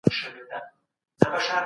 ایا پرشتو د خدای امر واورید؟